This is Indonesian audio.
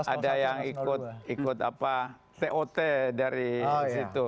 ada yang ikut tot dari situ